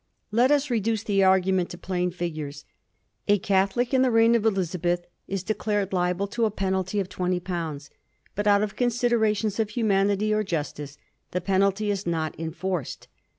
Let us reduce the argument to plain figures. A Catholic in the reign of Elizabeth is declared liable to a penalty of twenty pounds ; but out of con siderations of humanity or justice the penalty is not enforced.